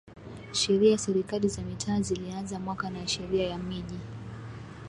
Sheria ya Serikali za Mitaa zilianza mwaka na Sheria ya Miji